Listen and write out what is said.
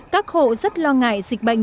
các hộ rất lo ngại dịch bệnh